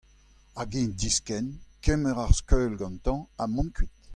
Hag eñ diskenn, kemer ar skeul gantañ, ha mont kuit.